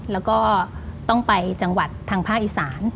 แล้วก็ต้องไปจังหวัดทางภาคอีสาน